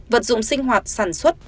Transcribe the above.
vật dụng sinh hoạt sản xuất